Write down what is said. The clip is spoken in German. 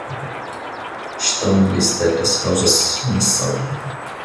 Stammliste des Hauses Nassau